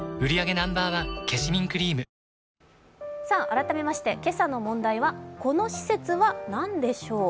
改めまして今朝の問題はこの施設は何でしょう？